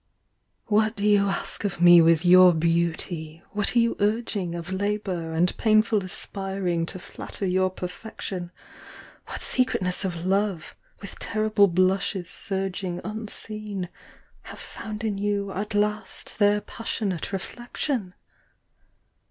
WHAT do you ask of me with your beauty, what are you urging Of labour and painful aspiring to flatter your perfection, What secretness of love with terrible blushes surging Unseen, have found in you at last their passionate reflection